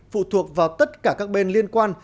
phụ thuộc vào tất cả các bên liên quan